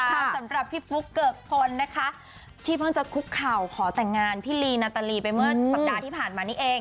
สำหรับพี่ฟุ๊กเกิกพลนะคะที่เพิ่งจะคุกเข่าขอแต่งงานพี่ลีนาตาลีไปเมื่อสัปดาห์ที่ผ่านมานี้เอง